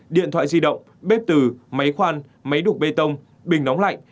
điện thoại di động bếp từ máy khoan máy đục bê tông bình nóng lạnh